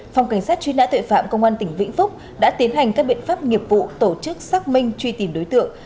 phòng cảnh sát truy nã tuệ phạm công an tỉnh vĩnh phúc đã tiến hành các biện pháp nghiệp vụ tổ chức xác minh truy tìm đối tượng